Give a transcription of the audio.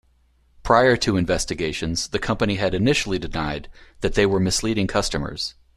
Prior to investigations, the company had initially denied that they were misleading customers.